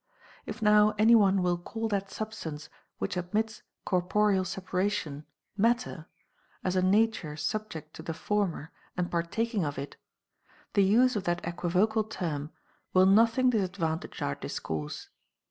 If now any one will call that substance which admits corporeal separation mat ter, as a nature subject to the former and partaking of it, the use of that equivocal term will nothing disadvantage our discourse.